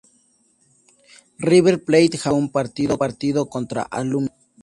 River Plate jamás perdió un partido contra Alumni.